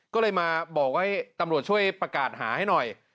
ก็เลยมาบอกว่าให้ตำรวจช่วยประกาศหาให้หน่อย